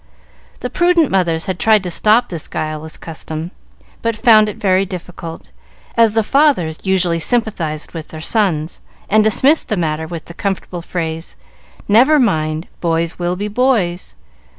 The prudent mothers had tried to stop this guileless custom, but found it very difficult, as the fathers usually sympathized with their sons, and dismissed the matter with the comfortable phrase, "Never mind; boys will be boys."